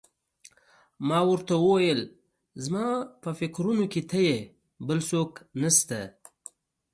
ما ورته وویل: زما په فکرونو کې ته یې، بل څوک نه شته.